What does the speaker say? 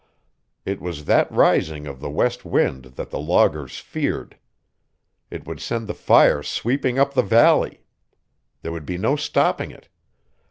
It was that rising of the west wind that the loggers feared. It would send the fire sweeping up the valley. There would be no stopping it.